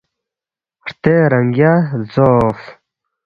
ہرتے رنگیا لزوقس